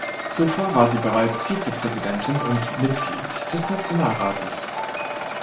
Zuvor war sie bereits Vizepräsidentin und Mitglied des Nationalrates.